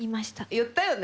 言ったよね。